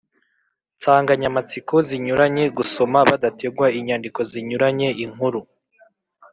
nsanganyamatsiko zinyuranye. Gusoma badategwa inyandiko zinyuranye, inkuru